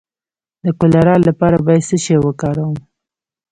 د کولرا لپاره باید څه شی وکاروم؟